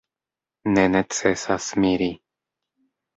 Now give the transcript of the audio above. Ne necesas miri.